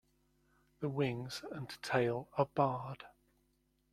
The wings and tail are barred.